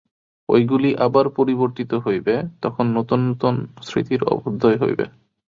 ঐগুলি আবার পরিবর্তিত হইবে, তখন নূতন নূতন স্মৃতির অভ্যুদয় হইবে।